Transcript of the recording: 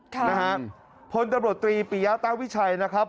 ค่ะนะฮะพลตำรวจตรีปียะต้าวิชัยนะครับ